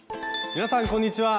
皆さんこんにちは。